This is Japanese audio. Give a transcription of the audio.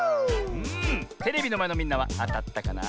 テレビのまえのみんなはあたったかな？